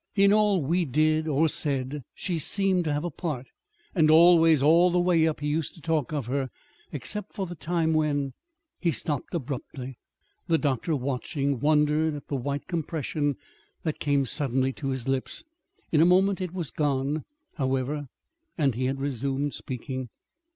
In all we did or said she seemed to have a part. And always, all the way up, he used to talk of her except for the time when " He stopped abruptly. The doctor, watching, wondered at the white compression that came suddenly to his lips. In a moment it was gone, however, and he had resumed speaking.